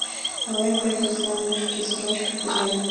Палет вет Озаҥыште Сорочка пазарым.